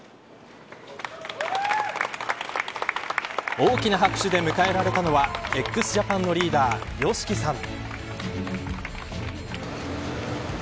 大きな拍手で迎えられたのはＸＪＡＰＡＮのリーダーＹＯＳＨＩＫＩさん。